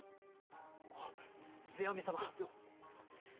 あっ世阿弥様。